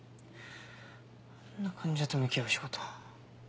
あんな患者と向き合う仕事